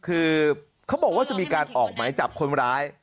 คือเขาบอกว่าจะมีการออกหมายจับคนร้าย